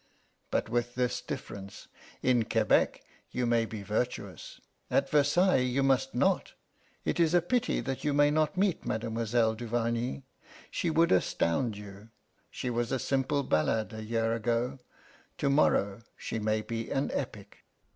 But with this difference: in Quebec you may be virtuous; at Versailles you must not. It is a pity that you may not meet Mademoiselle Duvarney. She would astound you. She was a simple ballad a year ago; to morrow she may be an epic."